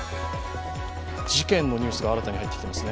事件のニュースが新たに入ってきています。